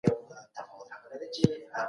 د سیند په غاړه ګرځېدل سکون ورکوي.